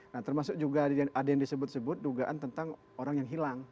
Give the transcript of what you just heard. nah termasuk juga ada yang disebut sebut dugaan tentang orang yang hilang